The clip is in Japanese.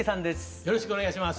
よろしくお願いします。